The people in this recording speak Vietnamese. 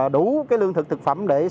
đủ cái lương thực thực phẩm để sử dụng